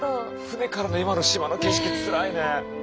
船からの今の島の景色つらいね。